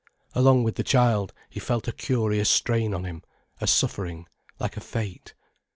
Along with the child, he felt a curious strain on him, a suffering, like a fate.